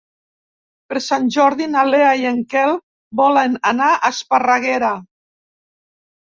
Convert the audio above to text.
Per Sant Jordi na Lea i en Quel volen anar a Esparreguera.